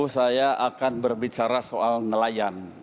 saya akan berbicara soal nelayan